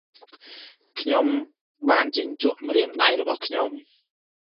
ខ្ញុំបានជញ្ជក់ម្រាមដៃរបស់ខ្ញុំ។